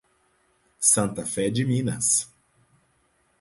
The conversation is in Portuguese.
Santa Fé de Minas